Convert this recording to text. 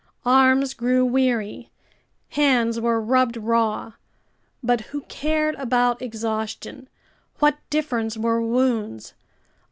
Arms grew weary, hands were rubbed raw, but who cared about exhaustion, what difference were wounds?